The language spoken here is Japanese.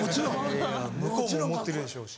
向こうも思ってるでしょうし。